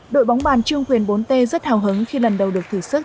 đội bóng bàn trương quyền bốn t rất hào hứng khi lần đầu được thử sức